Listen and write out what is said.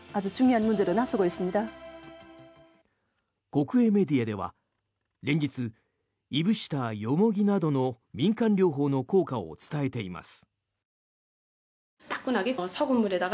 国営メディアでは連日、いぶしたヨモギなどの民間療法の効果を伝えています。